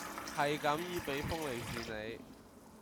系噉意畀封利市你